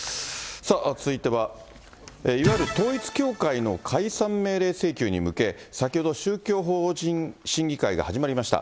さあ、続いては、いわゆる統一教会の解散命令請求に向け、先ほど宗教法人審議会が始まりました。